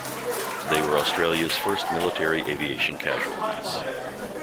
They were Australia's first military aviation casualties.